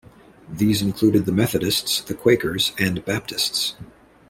These included the Methodists, the Quakers and Baptists.